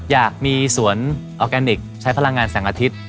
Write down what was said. อยากมีสวนออร์แกนิคใช้พลังงานแสงอาทิตย์